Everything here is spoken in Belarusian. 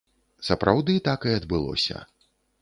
Сапраўды, так і адбылося.